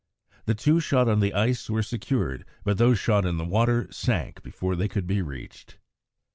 The two shot on the ice were secured, but those shot in the water sank before they could be reached.